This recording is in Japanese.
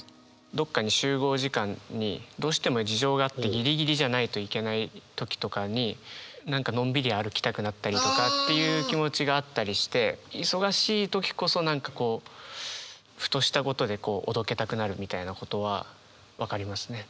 どっかに集合時間にどうしても事情があってギリギリじゃないと行けない時とかに何かのんびり歩きたくなったりとかっていう気持ちがあったりして忙しいときこそ何かこうふとしたことでおどけたくなるみたいなことは分かりますね。